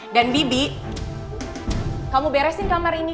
dan bibi kamu beresin kamar ini